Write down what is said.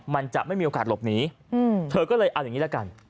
มันจะไม่มีโอกาสหลบหนีเธอก็เลยเอาอย่างนี้ละกัน